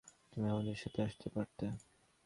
তুমি আমাদের সাথে আসতে পারতে!